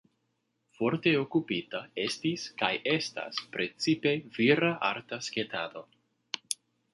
Forte okupita estis kaj estas precipe vira arta sketado.